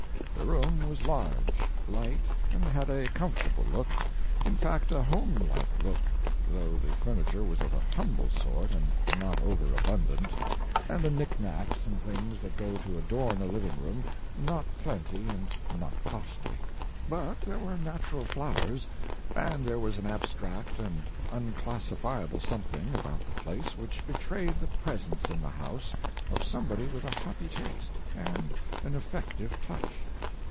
The room was large, light, and had a comfortable look, in fact a home like look, though the furniture was of a humble sort and not over abundant, and the knickknacks and things that go to adorn a living room not plenty and not costly. But there were natural flowers, and there was an abstract and unclassifiable something about the place which betrayed the presence in the house of somebody with a happy taste and an effective touch.